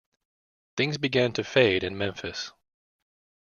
Things began to fade in Memphis.